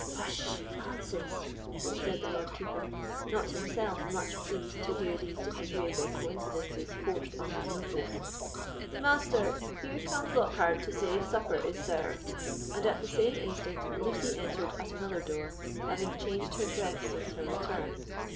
"Hush! nonsense!" said the Lord Keeper, not himself much pleased to hear these disagreeable coincidences forced on his notice. "Master, here comes Lockhard to say supper is served." And, at the same instant, Lucy entered at another door, having changed her dress since her return.